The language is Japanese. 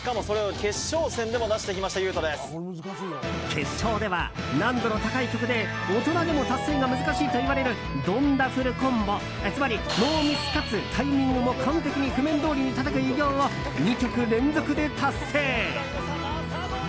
決勝では難易度の高い曲で大人でも達成が難しいといわれるドンダフルコンボつまりノーミスかつタイミングも完璧に譜面どおりにたたく偉業を２曲連続で達成。